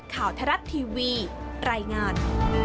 ข่าวทรัศน์ทีวีรายงาน